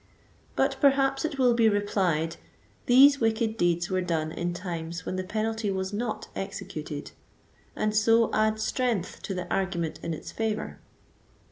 But perhaps it will be replied, these wicked deeds were done in times when the penalty was not executed, and so add strength to the argument in its favor.